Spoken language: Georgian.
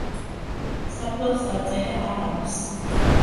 საფლავს წარწერა არ აქვს.